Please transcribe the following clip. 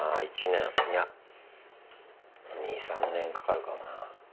１年いや２３年かかるかもな。